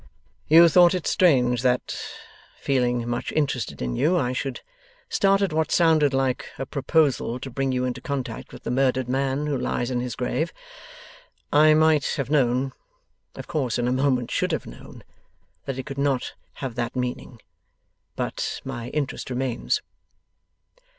'You thought it strange that, feeling much interested in you, I should start at what sounded like a proposal to bring you into contact with the murdered man who lies in his grave. I might have known of course in a moment should have known that it could not have that meaning. But my interest remains.